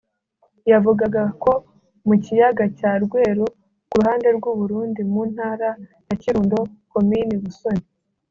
yavugaga ko mu kiyaga cya Rweru ku ruhande rw’u Burundi mu ntara ya Kirundo komini Busoni